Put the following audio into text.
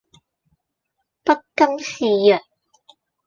不甘示弱